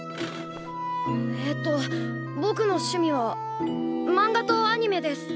えっとぼくの趣味はマンガとアニメです。